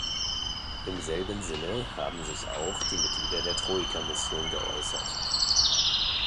Im selben Sinne haben sich auch die Mitglieder der Troika-Mission geäußert.